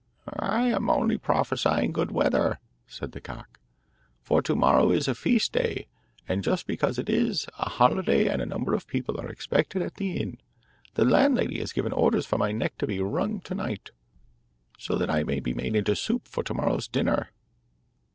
'I am only prophesying good weather,' said the cock; 'for to morrow is a feast day, and just because it is a holiday and a number of people are expected at the inn, the landlady has given orders for my neck to be wrung to night, so that I may be made into soup for to morrow's dinner.